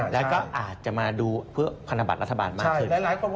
แต่ก็อาจจะมาดูเพื่อเข้าทางธุรัฐบาลมากขึ้น